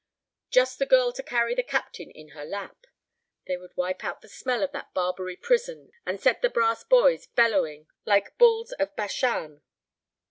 Just the girl to carry the captain in her lap! They would wipe out the smell of that Barbary prison, and set the brass boys bellowing like bulls of Bashan.